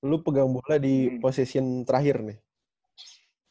lo pegang bola di posisi terakhir nih